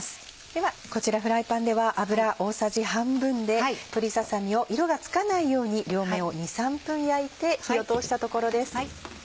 ではこちらフライパンでは油大さじ半分で鶏ささ身を色がつかないように両面を２３分焼いて火を通したところです。